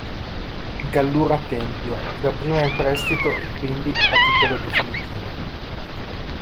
Gallura Tempio, dapprima in prestito e quindi a titolo definitivo.